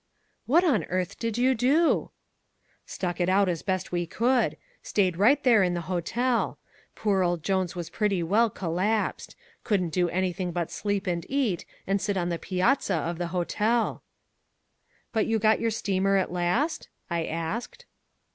"What on earth did you do?" "Stuck it out as best we could: stayed right there in the hotel. Poor old Jones was pretty well collapsed! Couldn't do anything but sleep and eat, and sit on the piazza of the hotel." "But you got your steamer at last?" I asked.